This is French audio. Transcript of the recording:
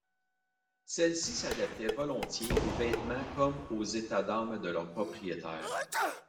Celles-ci s'adaptaient volontiers aux vêtements comme aux états d'âme de leur propriétaire.